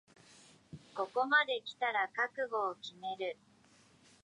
ここまできたら覚悟を決める